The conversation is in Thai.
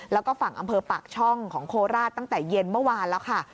แล้วก็ฝั่งอำเภอปากช่องของโคราชตั้งแต่เย็นเมื่อวานแล้วค่ะ